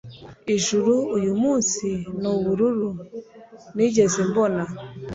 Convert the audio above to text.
ijuru uyumunsi nubururu nigeze mbona